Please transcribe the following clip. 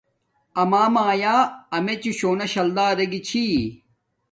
آما مایا امیجوں شونا شلدہ اریگی چھی